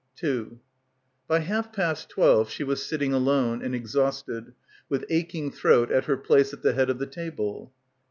By half past twelve she was sitting alone and exhausted with aching throat at her place at the head of the table.